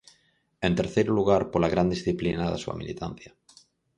En terceiro lugar, pola gran disciplina da súa militancia.